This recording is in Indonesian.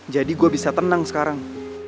jadi gue bisa tenang sekarang